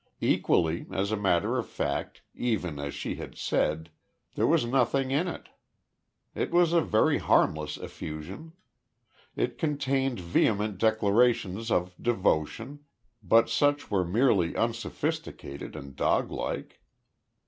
Equally, as a matter of fact, even as she had said there was nothing in it. It was a very harmless effusion. It contained vehement declarations of devotion, but such were merely unsophisticated and doglike.